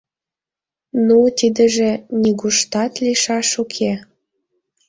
«Ну, тидыже нигуштат лийшаш уке».